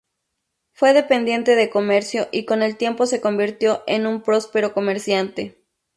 Fue dependiente de comercio y con el tiempo se convirtió en un próspero comerciante.